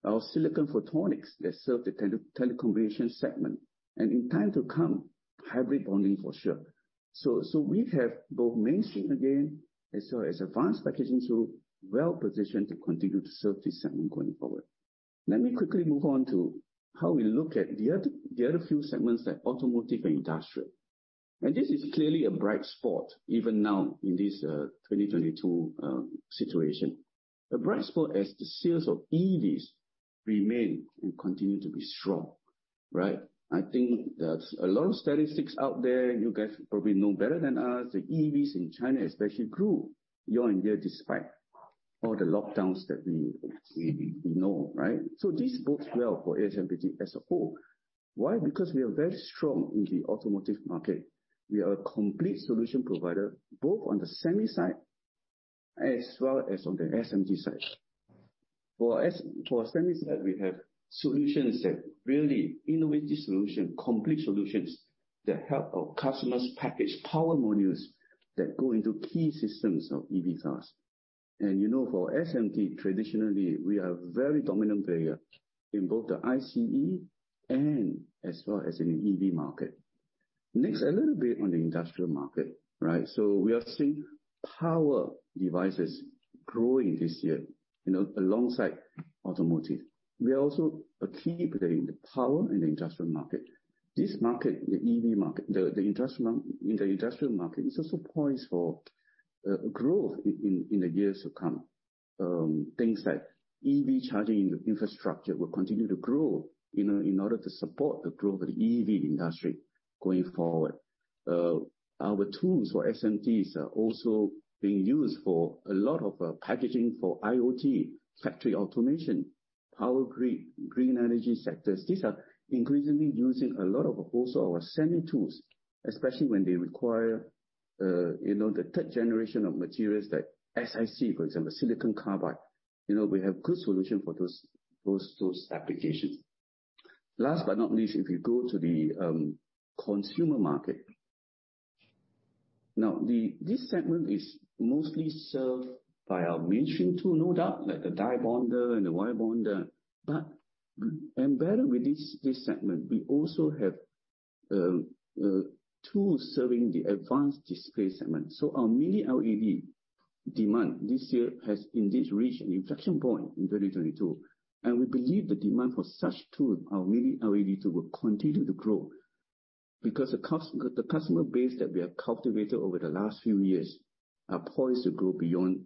[SPEAKER 2] our silicon photonics that serve the telecommunications segment. In time to come, hybrid bonding for sure. We have both mainstream again, as well as advanced packaging tool, well-positioned to continue to serve this segment going forward. Let me quickly move on to how we look at the other few segments, like automotive and industrial. This is clearly a bright spot even now in this 2022 situation. A bright spot as the sales of EVs remain and continue to be strong, right? I think that a lot of statistics out there, you guys probably know better than us, the EVs in China especially grew year-on-year despite all the lockdowns that we know, right? This bodes well for ASMPT as a whole. Why? Because we are very strong in the automotive market. We are a complete solution provider, both on the Semi side as well as on the SMT side. For Semi side, we have really innovative, complete solutions that help our customers package power modules that go into key systems of EV cars. You know, for SMT, traditionally, we are very dominant player in both the ICE and as well as in EV market. Next, a little bit on the industrial market, right? We are seeing power devices growing this year, you know, alongside automotive. We are also a key player in the power and the industrial market. This market, the EV market, the industrial market is also poised for growth in the years to come. Things like EV charging infrastructure will continue to grow, you know, in order to support the growth of the EV industry going forward. Our tools for SMTs are also being used for a lot of packaging for IoT, factory automation, power grid, green energy sectors. These are increasingly using a lot of also our semi tools, especially when they require, you know, the 3rd generation of materials like SiC, for example, silicon carbide. You know, we have good solution for those applications. Last but not least, if you go to the consumer market. Now this segment is mostly served by our mainstream tool, no doubt, like the die bonder and the wire bonder. But embedded with this segment, we also have tools serving the advanced display segment. Our Mini LED demand this year has indeed reached an inflection point in 2022, and we believe the demand for such tool, our Mini LED tool, will continue to grow because the customer base that we have cultivated over the last few years are poised to grow beyond,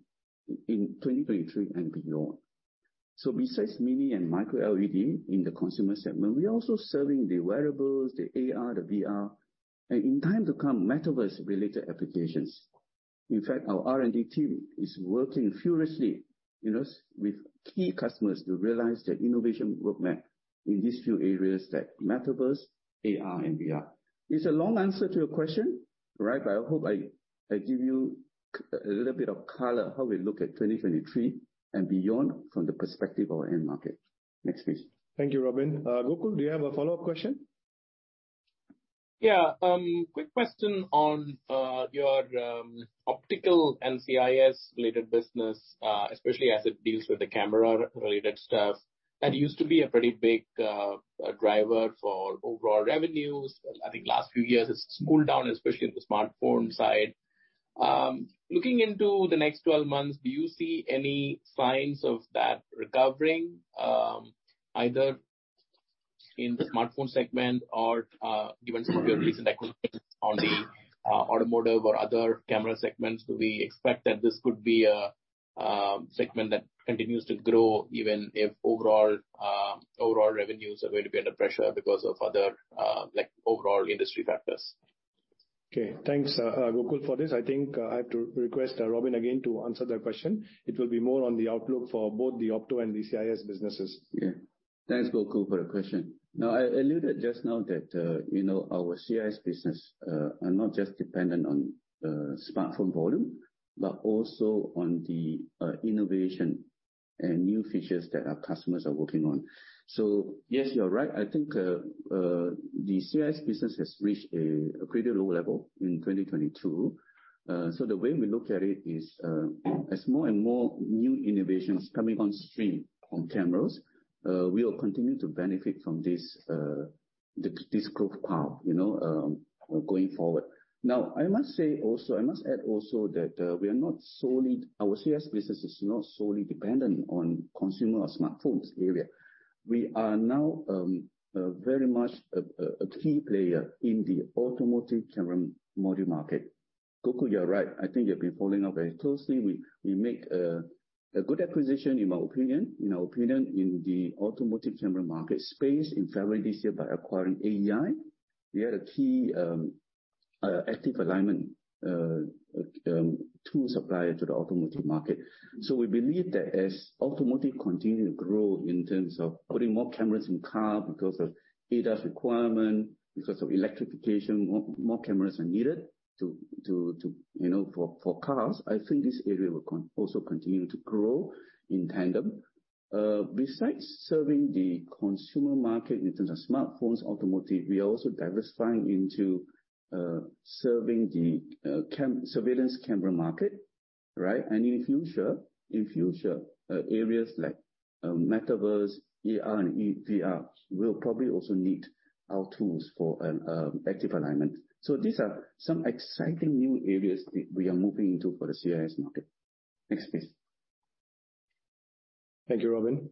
[SPEAKER 2] in 2023 and beyond. Besides Mini and Micro LED in the consumer segment, we are also serving the wearables, the AR, the VR, and in time to come, metaverse related applications. In fact, our R&D team is working furiously, you know, with key customers to realize their innovation roadmap in these few areas that metaverse, AR and VR. It's a long answer to your question, right? I hope I give you a little bit of color how we look at 2023 and beyond from the perspective of our end market. Next, please.
[SPEAKER 1] Thank you, Robin. Gokul, do you have a follow-up question?
[SPEAKER 6] Yeah. Quick question on your optical and CIS related business, especially as it deals with the camera related stuff. That used to be a pretty big driver for overall revenues. I think last few years it's smoothed down, especially in the smartphone side. Looking into the next 12 months, do you see any signs of that recovering, either in the smartphone segment or, given some of your recent acquisitions on the automotive or other camera segments, do we expect that this could be a segment that continues to grow even if overall revenues are going to be under pressure because of other like overall industry factors?
[SPEAKER 1] Okay. Thanks, Gokul for this. I think, I have to request, Robin again to answer that question. It will be more on the outlook for both the opto and the CIS businesses.
[SPEAKER 2] Yeah. Thanks, Gokul, for the question. Now, I alluded just now that, you know, our CIS business are not just dependent on smartphone volume, but also on the innovation and new features that our customers are working on. Yes, you are right. I think the CIS business has reached a pretty low level in 2022. The way we look at it is, as more and more new innovations coming on stream on cameras, we will continue to benefit from this growth path, you know, going forward. Now, I must add also that we are not solely. Our CIS business is not solely dependent on consumer or smartphones area. We are now very much a key player in the automotive camera module market. Gokul, you're right. I think you've been following up very closely. We make a good acquisition in my opinion, in our opinion, in the automotive camera market space in February this year by acquiring AEI. We are a key Active Alignment tool supplier to the automotive market. We believe that as automotive continue to grow in terms of putting more cameras in car because of ADAS requirement, because of electrification, more cameras are needed to you know for cars. I think this area will also continue to grow in tandem. Besides serving the consumer market in terms of smartphones, automotive, we are also diversifying into serving the surveillance camera market, right? In future, areas like metaverse, AR and VR will probably also need our tools for Active Alignment. These are some exciting new areas we are moving into for the CIS market. Next, please.
[SPEAKER 1] Thank you, Robin.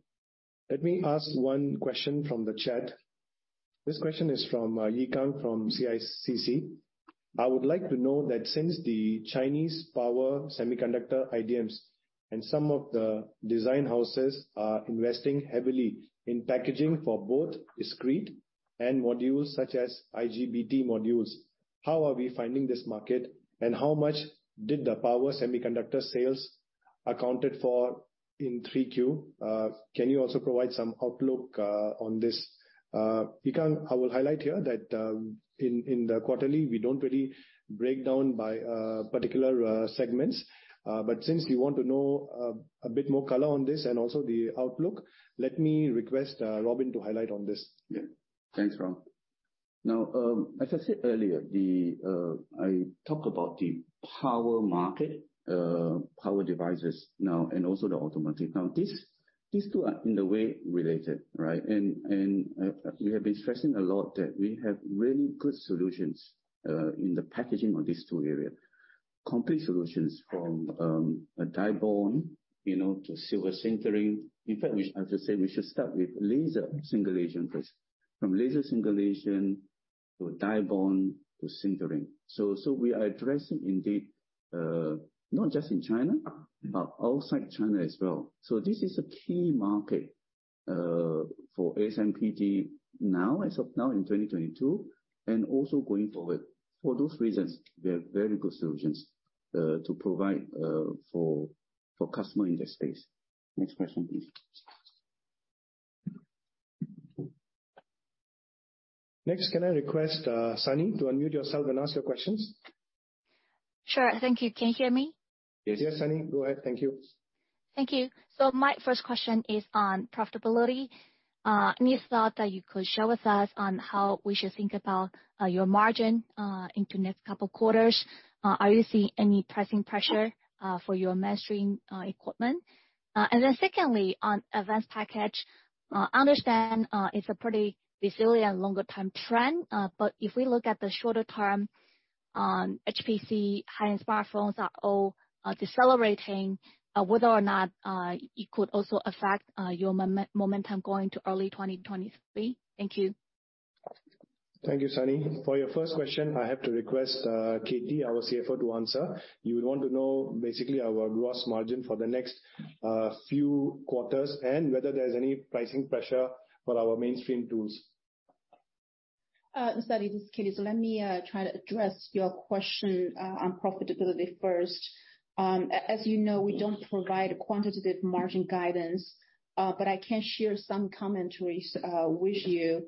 [SPEAKER 1] Let me ask one question from the chat. This question is from Yikang from CICC. I would like to know that since the Chinese power semiconductor IDMs and some of the design houses are investing heavily in packaging for both discrete and modules such as IGBT modules, how are we finding this market, and how much did the power semiconductor sales accounted for in 3Q? Can you also provide some outlook on this? Yikang, I will highlight here that in the quarterly, we don't really break down by particular segments. But since you want to know a bit more color on this and also the outlook, let me request Robin to highlight on this.
[SPEAKER 2] Thanks, Romil. Now, as I said earlier, I talk about the power market, power devices now, and also the automotive. These two are in a way related, right? We have been stressing a lot that we have really good solutions in the packaging of these two area. Complete solutions from a die bond, you know, to silver sintering. In fact, I should say, we should start with laser singulation first. From laser singulation to die bond to sintering. We are addressing indeed not just in China, but outside China as well. This is a key market for ASMPT now, as of now in 2022, and also going forward. For those reasons, we have very good solutions to provide for customer in that space. NEXX question, please.
[SPEAKER 1] Next, can I request, Sunny to unmute yourself and ask your questions?
[SPEAKER 7] Sure. Thank you. Can you hear me?
[SPEAKER 1] Yes, Sunny, go ahead. Thank you.
[SPEAKER 7] Thank you. My first question is on profitability. Any thought that you could share with us on how we should think about your margin into next couple quarters? Are you seeing any pricing pressure for your mainstream equipment? And then secondly, on advanced package, I understand it's a pretty resilient longer term trend, but if we look at the shorter term on HPC, high-end smartphones are all decelerating, whether or not it could also affect your momentum going into early 2023. Thank you.
[SPEAKER 1] Thank you, Sunny. For your first question, I have to request Katie, our CFO, to answer. You would want to know basically our gross margin for the next few quarters and whether there's any pricing pressure for our mainstream tools.
[SPEAKER 3] Sunny, this is Katie. Let me try to address your question on profitability first. As you know, we don't provide quantitative margin guidance, but I can share some commentaries with you.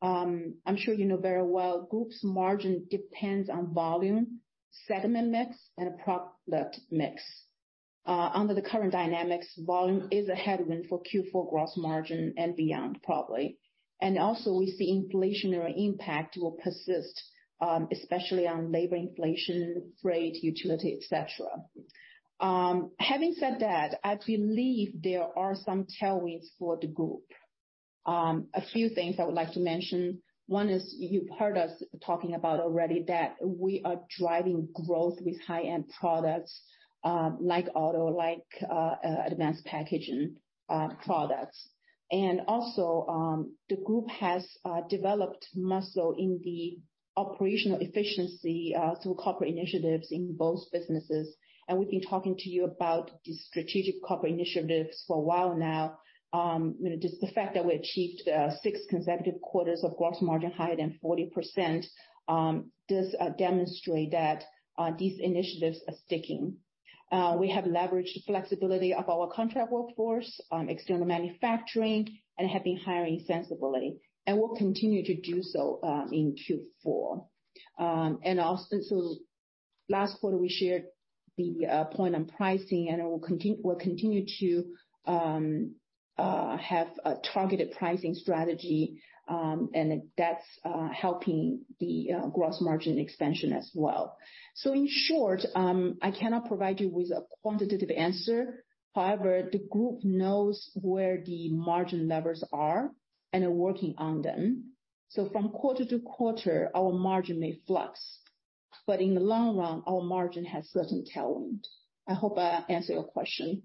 [SPEAKER 3] I'm sure you know very well group's margin depends on volume, segment mix, and product mix. Under the current dynamics, volume is a headwind for Q4 gross margin and beyond, probably. We see inflationary impact will persist, especially on labor inflation, freight, utility, et cetera. Having said that, I believe there are some tailwinds for the group. A few things I would like to mention. One is you've heard us talking about already that we are driving growth with high-end products, like auto, like advanced packaging products. The group has developed muscle in the operational efficiency through corporate initiatives in both businesses, and we've been talking to you about the strategic corporate initiatives for a while now. You know, just the fact that we achieved six consecutive quarters of gross margin higher than 40% does demonstrate that these initiatives are sticking. We have leveraged the flexibility of our contract workforce, external manufacturing, and have been hiring sensibly, and we'll continue to do so in Q4. Last quarter we shared the point on pricing and we'll continue to have a targeted pricing strategy, and that's helping the gross margin expansion as well. In short, I cannot provide you with a quantitative answer. However, the group knows where the margin levers are and are working on them. From quarter to quarter, our margin may fluctuate. In the long run, our margin has certain target. I hope I answered your question.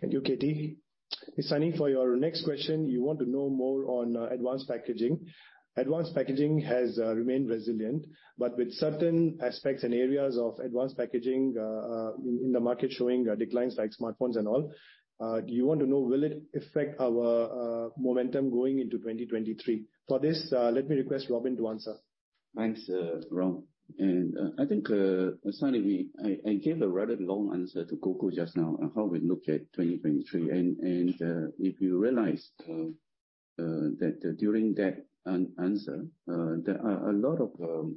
[SPEAKER 1] Thank you, Katie. Sunny, for your next question, you want to know more on advanced packaging. Advanced packaging has remained resilient, but with certain aspects and areas of advanced packaging in the market showing declines like smartphones and all, you want to know will it affect our momentum going into 2023. For this, let me request Robin to answer.
[SPEAKER 2] Thanks, Romil. I think, Sunny, I gave a rather long answer to Gokul just now on how we look at 2023. If you realize that during that answer, there are a lot of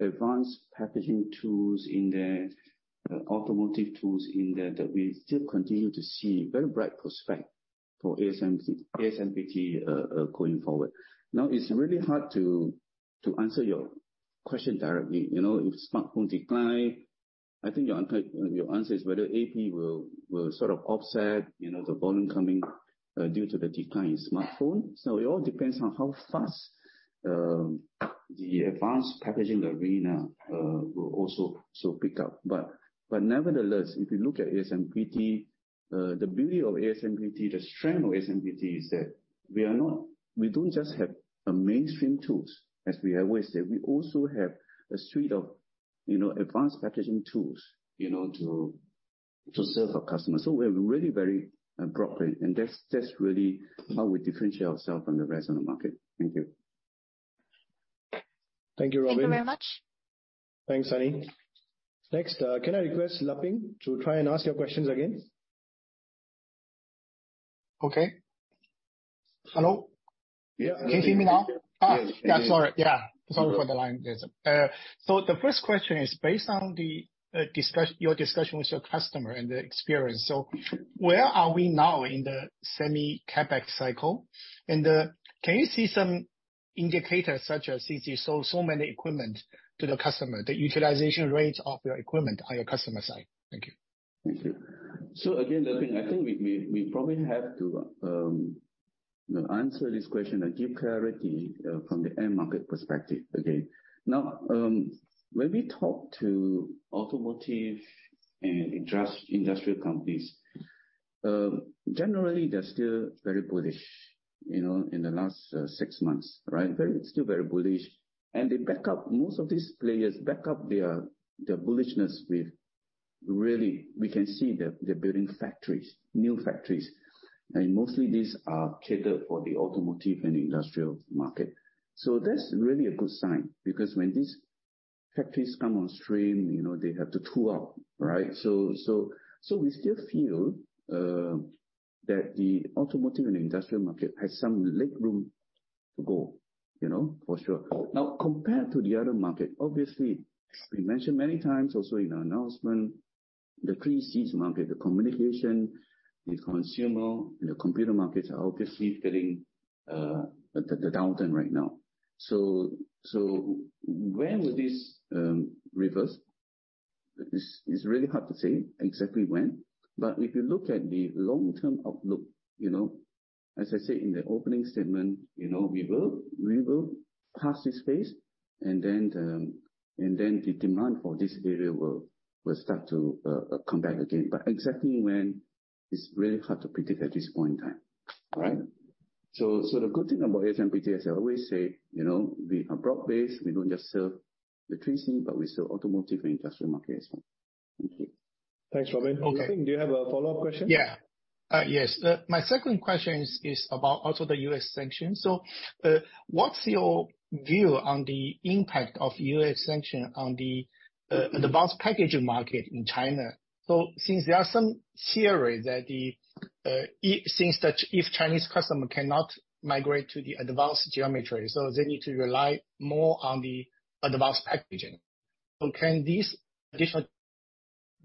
[SPEAKER 2] advanced packaging tools in there, automotive tools in there that we still continue to see very bright prospect for ASMPT going forward. Now, it's really hard to answer your question directly. You know, if smartphone decline, I think your answer is whether AP will sort of offset, you know, the volume coming due to the decline in smartphone. It all depends on how fast the advanced packaging arena will pick up. Nevertheless, if you look at ASMPT, the beauty of ASMPT, the strength of ASMPT is that we don't just have mainstream tools, as we always say. We also have a suite of, you know, advanced packaging tools, you know, to serve our customers. We're really very broad-based, and that's really how we differentiate ourselves from the rest of the market. Thank you.
[SPEAKER 1] Thank you, Robin.
[SPEAKER 3] Thank you very much.
[SPEAKER 1] Thanks, Sunny. Next, can I request Leping to try and ask your questions again?
[SPEAKER 8] Okay. Hello?
[SPEAKER 1] Yeah.
[SPEAKER 8] Can you hear me now?
[SPEAKER 1] Yes.
[SPEAKER 8] Sorry for the line. Yes. The first question is based on your discussion with your customer and the experience. Where are we now in the semiconductor CapEx cycle? Can you see some indicators such as since you sold so many equipment to the customer, the utilization rates of your equipment on your customer side? Thank you.
[SPEAKER 2] Thank you. Again, Leping, I think we probably have to answer this question and give clarity from the end market perspective, okay. Now, when we talk to automotive and industrial companies, generally they're still very bullish, you know, in the last six months, right? Still very bullish. Most of these players back up their bullishness with really, we can see they're building factories, new factories. Mostly these are catered for the automotive and industrial market. That's really a good sign because when these factories come on stream, you know they have to tool up, right? We still feel that the automotive and industrial market has some leg room to go, you know, for sure. Now, compared to the other market, obviously, we mentioned many times also in our announcement, the CCC's market, the communications, the consumer, and the computer markets are obviously getting the downturn right now. When will this reverse? It's really hard to say exactly when. If you look at the long-term outlook, you know, as I said in the opening statement, you know, we will pass this phase. The demand for this area will start to come back again. Exactly when, it's really hard to predict at this point in time. All right. The good thing about ASMPT, as I always say, you know, we are broad-based. We don't just sell the CCC, but we sell automotive and industrial market as well. Thank you.
[SPEAKER 1] Thanks, Robin.
[SPEAKER 2] Okay.
[SPEAKER 1] Leping, do you have a follow-up question?
[SPEAKER 8] Yes. My second question is also about the U.S. sanctions. What's your view on the impact of U.S. sanctions on the advanced packaging market in China? Since there are some theory that if Chinese customer cannot migrate to the advanced geometry, they need to rely more on the advanced packaging. Can this additional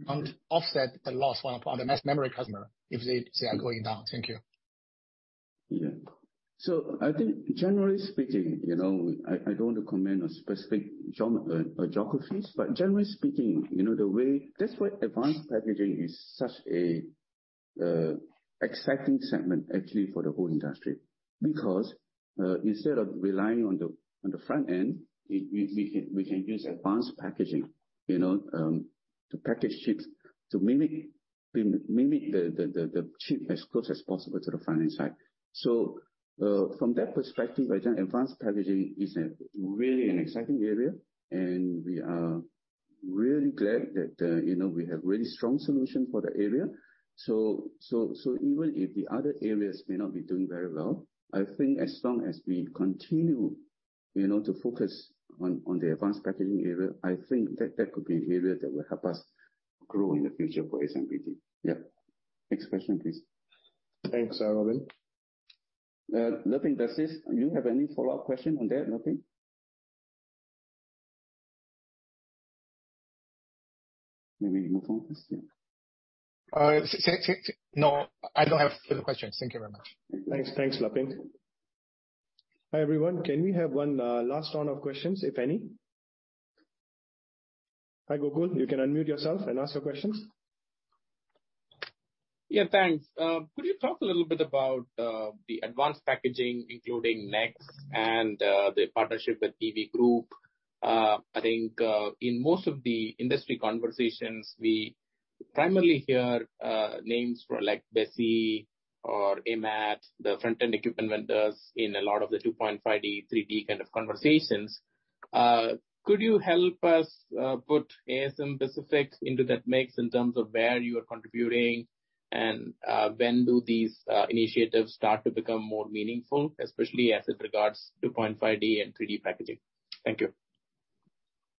[SPEAKER 8] amount offset the loss on the mass memory customer if they are going down? Thank you.
[SPEAKER 2] Yeah. I think generally speaking, you know, I don't want to comment on specific geographies, but generally speaking, you know. That's why advanced packaging is such an exciting segment actually for the whole industry because, instead of relying on the front-end, we can use advanced packaging, you know, to package chips to mimic the chip as close as possible to the front-end side. From that perspective, again, advanced packaging is really an exciting area, and we are really glad that, you know, we have really strong solution for the area. Even if the other areas may not be doing very well, I think as long as we continue, you know, to focus on the advanced packaging area, I think that could be an area that will help us grow in the future for ASMPT. Yeah. NEXX question, please.
[SPEAKER 1] Thanks, Robin. Leping, that's it. Do you have any follow-up question on that, Leping? Maybe move on. That's it.
[SPEAKER 8] No, I don't have further questions. Thank you very much.
[SPEAKER 1] Thanks. Thanks, Leping. Hi, everyone. Can we have one last round of questions, if any? Hi, Gokul, you can unmute yourself and ask your questions.
[SPEAKER 6] Yeah, thanks. Could you talk a little bit about the advanced packaging, including NEXX and the partnership with TB Group? I think in most of the industry conversations, we primarily hear names from like Disco or AMAT, the front-end equipment vendors in a lot of the 2.5D, 3D kind of conversations. Could you help us put ASM specifics into that mix in terms of where you are contributing and when do these initiatives start to become more meaningful, especially as it regards to 2.5D and 3D packaging? Thank you.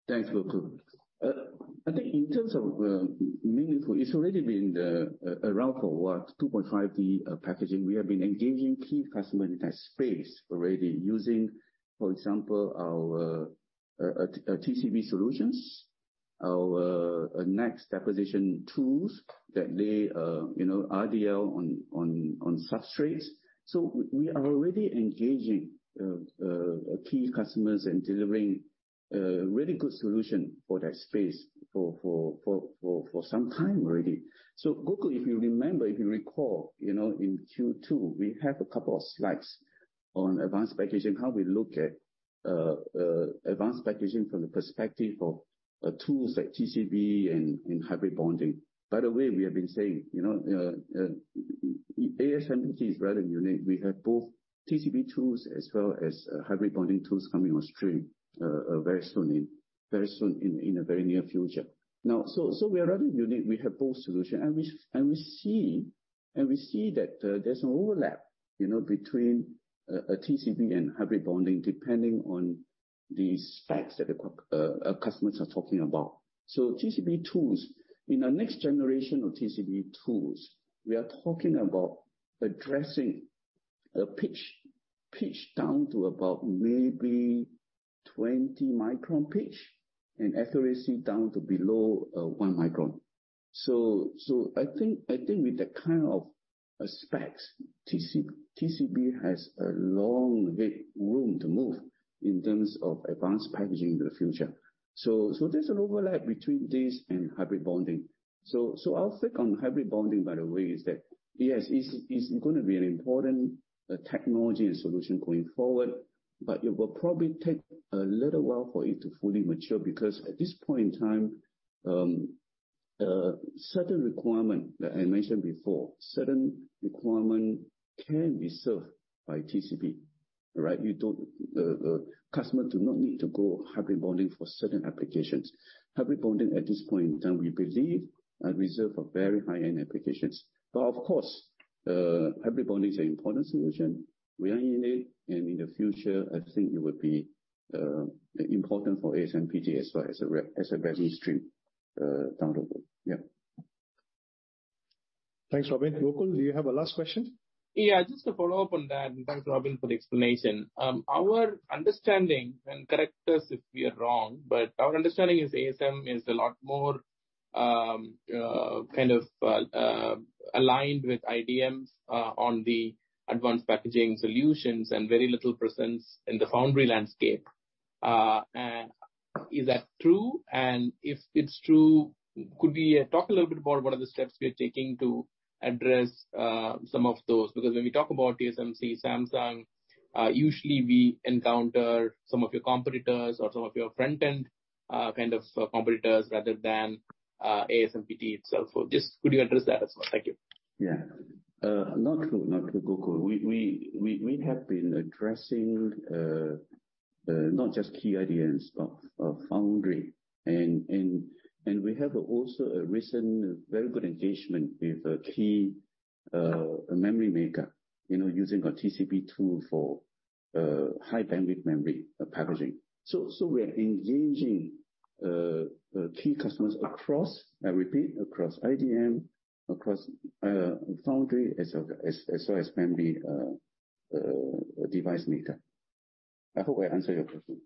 [SPEAKER 2] Thanks, Gokul. I think in terms of meaningful, it's already been around for what? 2.5D packaging. We have been engaging key customer in that space already using, for example, our TCB solutions, our NEXX deposition tools that lay, you know, RDL on substrates. We are already engaging key customers and delivering really good solution for that space for some time already. Gokul, if you remember, if you recall, you know, in Q2, we have a couple of slides on advanced packaging, how we look at advanced packaging from the perspective of tools like TCB and hybrid bonding. By the way, we have been saying, you know, ASMPT is rather unique. We have both TCB tools as well as hybrid bonding tools coming on stream very soon in the very near future. Now, we are rather unique. We have both solutions and we see that there's an overlap, you know, between a TCB and hybrid bonding, depending on these specs that our customers are talking about. TCB tools. In our next generation of TCB tools, we are talking about addressing a pitch down to about maybe 20-micron pitch and accuracy down to below 1 micron. I think with that kind of specs, TCB has a long runway to move in terms of advanced packaging in the future. There's an overlap between this and hybrid bonding. Our take on hybrid bonding, by the way, is that, yes, it's gonna be an important technology and solution going forward, but it will probably take a little while for it to fully mature, because at this point in time, certain requirements that I mentioned before can be served by TCB. Customers do not need to go hybrid bonding for certain applications. Hybrid bonding at this point in time, we believe are reserved for very high-end applications. But of course, hybrid bonding is an important solution. We are in it and in the future I think it will be important for ASMPT as well as a revenue stream down the road.
[SPEAKER 1] Thanks, Robin. Gokul, do you have a last question?
[SPEAKER 6] Yeah, just to follow up on that, thanks, Robin, for the explanation. Our understanding, correct us if we are wrong, but our understanding is ASMPT is a lot more kind of aligned with IDMs on the advanced packaging solutions and very little presence in the foundry landscape. Is that true? If it's true, could we talk a little bit about what are the steps we are taking to address some of those? Because when we talk about TSMC, Samsung, usually we encounter some of your competitors or some of your front-end kind of competitors rather than ASMPT itself. Just could you address that as well? Thank you.
[SPEAKER 2] Yeah. Not true. Not true, Gokul. We have been addressing not just key IDMs of foundry and we have also a recent very good engagement with a key memory maker, you know, using our TCB tool for High Bandwidth Memory packaging. We are engaging key customers across, I repeat, across IDM, across foundry as well as memory device maker. I hope I answered your question.